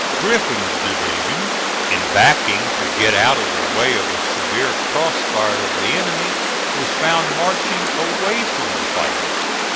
Griffin's division in backing to get out of the way of a severe cross fire of the enemy was found marching away from the fighting.